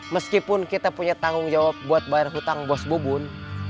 meskipun kita punya tanggung jawab buat bayar hutang bos bubun